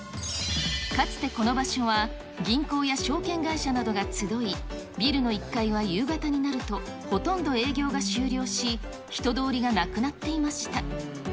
かつてこの場所は、銀行や証券会社などが集い、ビルの１階は夕方になるとほとんど営業が終了し、人通りがなくなっていました。